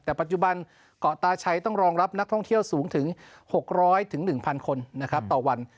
แต่ปัจจุบันเกาะตาชัยต้องรองรับนักท่องเที่ยวสูงถึง๖๐๐๑๐๐คนนะครับต่อวัน